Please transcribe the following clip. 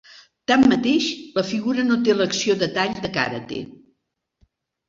Tanmateix, la figura no té l'acció de tall de karate.